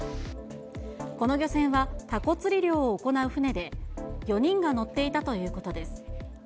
この漁船は、タコ釣り漁を行う船で、４人が乗っていたということです。